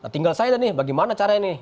tinggal saya deh nih bagaimana caranya nih